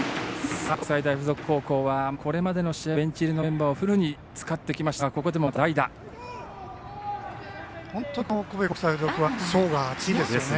神戸国際大付属高校はこれまでの試合もベンチ入りのメンバーをフルに使ってきましたが本当に神戸国際大付属は層が厚いですよね。